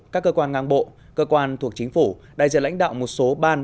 các cơ quan ngang bộ cơ quan thuộc chính phủ đại diện lãnh đạo một số ban